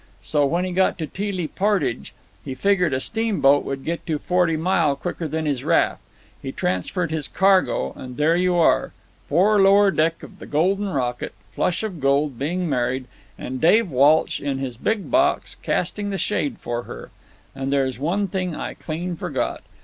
So when he got to Teelee Portage he figured a steamboat would get to Forty Mile quicker than his raft. He transferred his cargo, and there you are, fore lower deck of the Golden Rocket, Flush of Gold being married, and Dave Walsh in his big box casting the shade for her. And there's one thing I clean forgot.